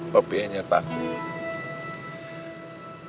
papi hanya takut